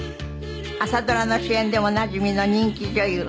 朝ドラの主演でおなじみの人気女優